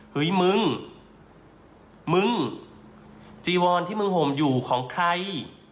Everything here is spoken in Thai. เฮ้ยมึงมึงจีวอนที่มึงห่มอยู่ของใคร